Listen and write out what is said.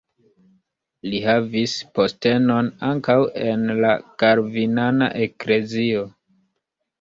Li havis postenon ankaŭ en la kalvinana eklezio.